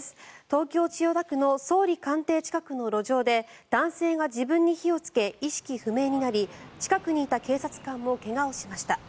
東京・千代田区の総理官邸近くの路上で男性が自分に火をつけ意識不明になり近くにいた警察官も怪我をしました。